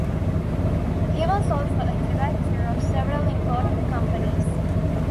He was also a director of several important companies.